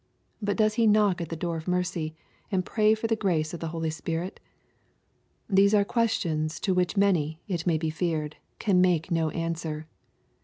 But does he knock at the door of mercy, and pray for the grace of the Holy Spirit ?— These are questions to which many, it may be feared, can make no answer.